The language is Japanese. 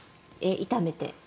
炒めて。